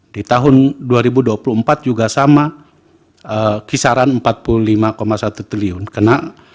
di tahun dua ribu dua puluh empat juga sama kisaran empat puluh lima satu triliun kena